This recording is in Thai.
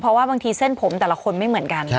เพราะว่าบางทีเส้นผมแต่ละคนไม่เหมือนกัน